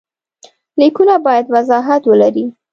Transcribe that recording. لیکونه باید وضاحت ولري.